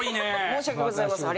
申し訳ございません。